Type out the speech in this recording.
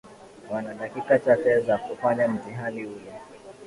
Wana dakika chache za kufanya mtihani ule